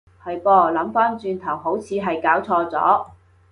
係噃，諗返轉頭好似係攪錯咗